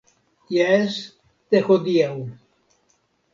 Jes, de hodiaŭ.